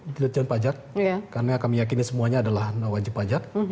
tidak jenis pajak karena kami yakin semuanya adalah wajib pajak